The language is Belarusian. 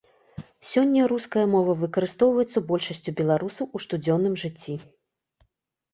Сёння руская мова выкарыстоўваецца большасцю беларусаў у штодзённым жыцці.